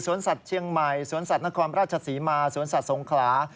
สัตว์เชียงใหม่สวนสัตว์นครราชศรีมาสวนสัตว์สงขลา